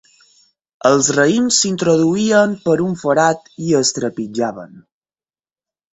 Els raïms s'introduïen per un forat i es trepitjaven.